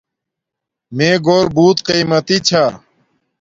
میں گھور بوت قیمتی چھا